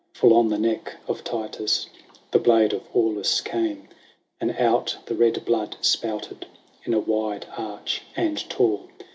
Full on the neck of Titus The blade of Aulus came : And out the red blood spouted, ' In a wide arch and tall.